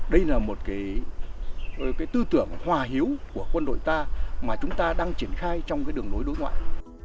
đây là một tư tưởng hòa hiếu của quân đội ta mà chúng ta đang triển khai trong đường lối đối ngoại